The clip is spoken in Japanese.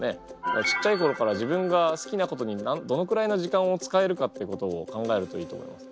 ちっちゃい頃から自分が好きなことにどのくらいの時間を使えるかっていうことを考えるといいと思います。